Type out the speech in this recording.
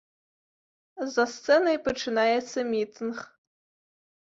За сцэнай пачынаецца мітынг.